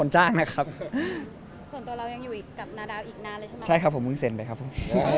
ใช่ครับผมมึงเซ็นไปครับผม